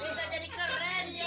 ini jadi keren ya